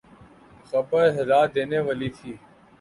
خبر ہلا دینے والی تھی۔